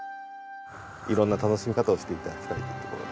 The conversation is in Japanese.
色んな楽しみ方をして頂きたいというところで。